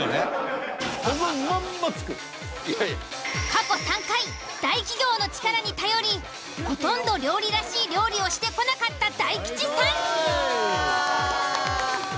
過去３回大企業の力に頼りほとんど料理らしい料理をしてこなかった大吉さん。